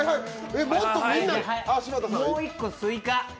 もう１個スイカ？